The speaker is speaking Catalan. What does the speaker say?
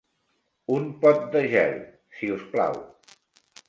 Un pot de gel, si us plau.